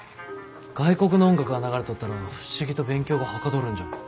外国の音楽が流れとったら不思議と勉強がはかどるんじゃ。